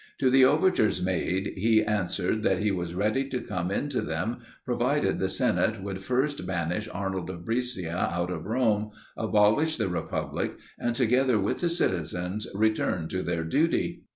To the overtures made, he answered that he was ready to come into them, provided the senate would first banish Arnold of Brescia out of Rome, abolish the republic, and, together with the citizens, return to their duty.